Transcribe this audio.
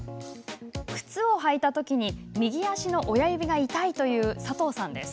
靴を履いたときに右足の親指が痛いという佐藤さんです。